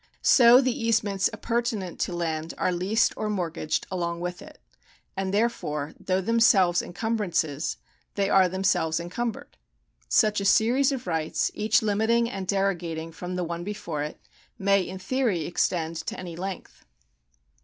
So the easements appurtenant to land are leased or mortgaged along with it ; and therefore, though them selves encumbrances, they are themselves encumbered. Such a series of rights, each limiting and derogating from the one before it, may in theory extend to any length.